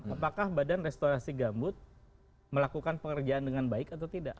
apakah badan restorasi gambut melakukan pengerjaan dengan baik atau tidak